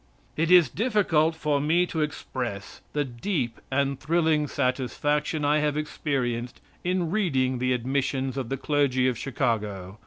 It is difficult for me to express the deep and thrilling satisfaction I have experienced in reading the admissions of the clergy of Chicago.